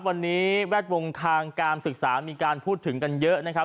วันนี้แวดวงทางการศึกษามีการพูดถึงกันเยอะนะครับ